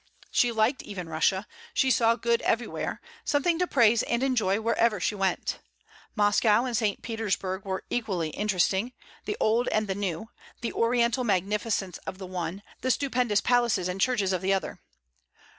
She liked even Russia; she saw good everywhere, something to praise and enjoy wherever she went. Moscow and St. Petersburg were equally interesting, the old and the new, the Oriental magnificence of the one, the stupendous palaces and churches of the other.